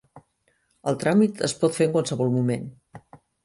El tràmit es pot fer en qualsevol moment.